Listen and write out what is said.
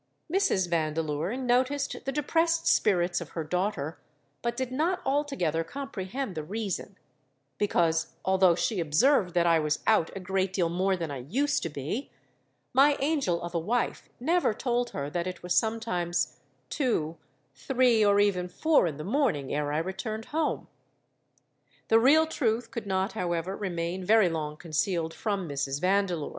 Mrs. Vandeleur noticed the depressed spirits of her daughter, but did not altogether comprehend the reason; because, although she observed that I was out a great deal more than I used to be, my angel of a wife never told her that it was sometimes two, three, or even four in the morning ere I returned home. The real truth could not, however, remain very long concealed from Mrs. Vandeleur.